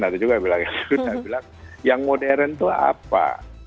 ada juga yang bilang yang modern itu apa